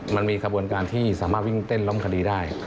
มันมีขบวนการที่สามารถวิ่งเต้นล้อมคดีได้